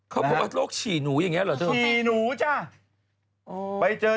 เขาบอกว่าโรคฉี่หนูอย่างนี้หรอ